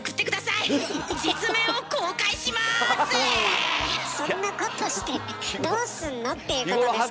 いやいやそんなことしてどうすんの？っていうことですから。